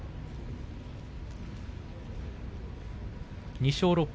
２勝６敗